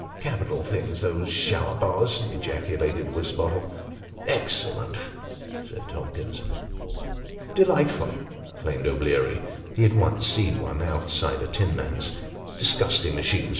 " Capital things those shower baths !" ejaculated Wisbottle. " Excellent !" said Tomkins. " Delightful !" chimed in O'Bleary. (He had once seen one, outside a tinman's.) " Disgusting machines